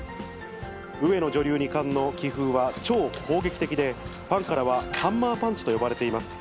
上野女流二冠の棋風は超攻撃的で、ファンからは、ハンマーパンチと呼ばれています。